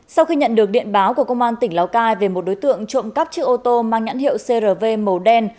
sau khi nhận được điện báo của công an tỉnh lào cai về một đối tượng trộm cắp chiếc ô tô mang nhãn hiệu crv màu đen